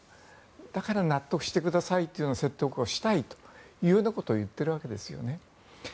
だから納得してくださいという説得をしたいということを言っているわけですよね。